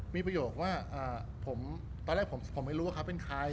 มีประโยคว่าตอนแรกผมไม่รู้ว่าเขาเป็นใคร